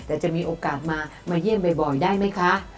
แต่จะมีโอกาสมาเยี่ยมบ่อยได้ไหมคะ